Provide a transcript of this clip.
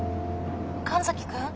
神崎君！？